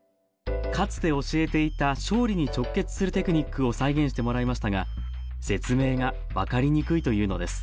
かつて教えていた勝利に直結するテクニックを再現してもらいましたが説明が分かりにくいというのです